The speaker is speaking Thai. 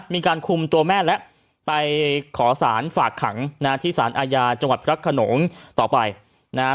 มีการคุมตัวแม่และไปขอสารฝากขังนะฮะที่สารอาญาจังหวัดพระขนงต่อไปนะฮะ